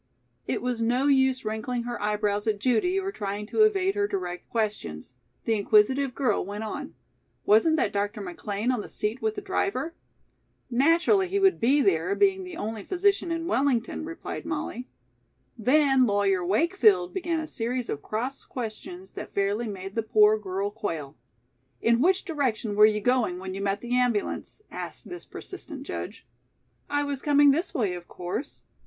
It was no use wrinkling her eyebrows at Judy or trying to evade her direct questions. The inquisitive girl went on: "Wasn't that Dr. McLean on the seat with the driver?" "Naturally he would be there, being the only physician in Wellington," replied Molly. Then Lawyer Wakefield began a series of cross questions that fairly made the poor girl quail. "In which direction were you going when you met the ambulance?" asked this persistent judge. "I was coming this way, of course."